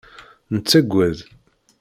Nettagad.